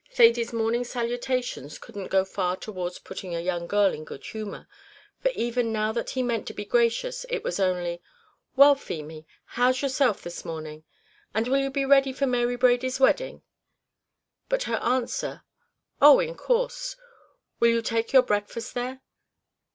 Thady's morning salutations couldn't go far towards putting a young girl in good humour, for even now that he meant to be gracious it was only "Well, Feemy, how's yourself this morning; and will you be ready for Mary Brady's wedding?" But her answer "Oh, in course; will you take your breakfast there?"